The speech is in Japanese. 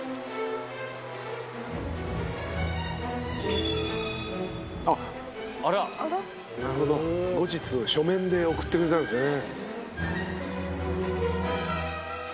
日本のみならずあっなるほど後日書面で送ってくれたんですね。